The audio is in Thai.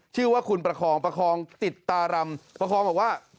ชื่อว่าคุณประคองประคองติดตารำประคองบอกว่า